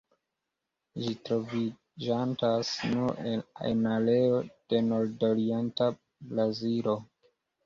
Ĝi troviĝantas nur en areo de nordorienta Brazilo.